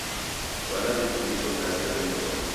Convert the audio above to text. W'ana w'ifundisho kazi ra mikonu.